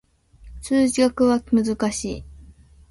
数学は難しい